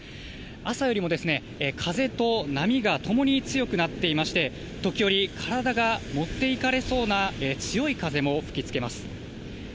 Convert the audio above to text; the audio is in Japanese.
朝よりも風と波がともに強くなっていまして、時折、体が持っていかれそうな強い風も吹きつけます。